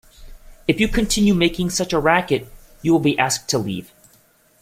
If you continue making such a racket, you will be asked to leave.